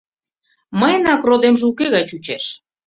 Мыйынак родемже уке гай чучеш.